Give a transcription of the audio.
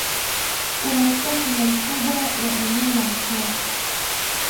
unachukua sehemu kubwa ya eneo la Mkoa